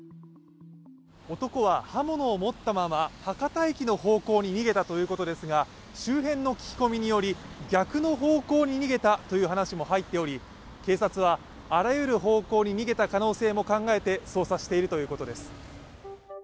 男は刃物を持ったまま、博多駅の方向に逃げたということですが周辺の聞き込みにより、逆の方向に逃げたという話も入っており警察はあらゆる方向に逃げた可能性も考えて捜査しているということです。